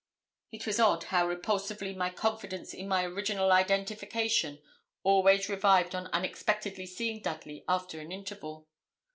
It was odd how repulsively my confidence in my original identification always revived on unexpectedly seeing Dudley after an interval.